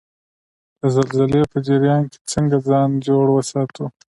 د زلزلې په جریان کې څنګه ځان جوړ وساتو؟